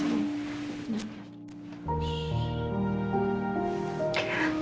aku mau dari batik sana ke kelihatan excluded